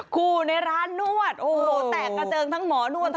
คู่ในร้านนวดโอ้โหแตกกระเจิงทั้งหมอนวดทั้ง